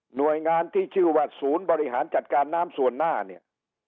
หน่วยงานที่ชื่อว่าศูนย์บริหารจัดการน้ำส่วนหน้าเนี่ย